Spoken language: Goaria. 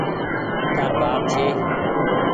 تآر ٻآپ ڇي۔